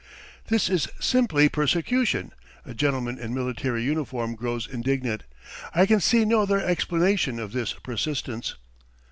"This is simply persecution!" A gentleman in military uniform grows indignant. "I can see no other explanation of this persistence."